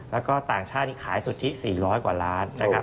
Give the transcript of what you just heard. แล้วก็ต่างชาตินี่ขายสุทธิ๔๐๐กว่าล้านนะครับ